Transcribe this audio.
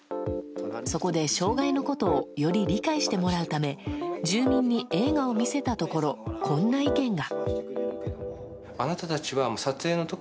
そこで、障害のことをより理解してもらうため住民に映画を見せたところこんな意見が。